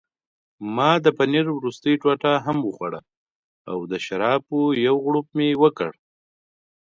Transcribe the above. ما د پنیر وروستۍ ټوټه هم وخوړه او د شرابو یو غوړپ مې وکړ.